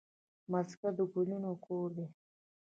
مځکه د ګلونو کور ده.